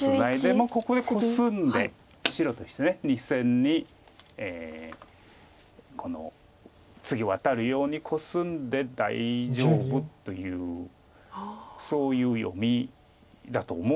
もうここでコスんで白として２線に次ワタるようにコスんで大丈夫というそういう読みだと思うんですけれども。